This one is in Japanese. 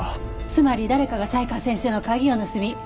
つまり誰かが才川先生の鍵を盗み